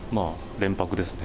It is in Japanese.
連泊ですね。